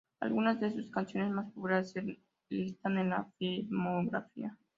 Algunas de sus canciones más populares se listan en la "Filmografía".